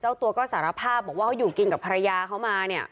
เจ้าตัวก็สารภาพบอกว่าอยู่ห่างกับภรรยาเข้ามาเนี่ย